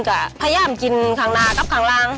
ก็พยายามกินข้างหน้ากับข้างล่าง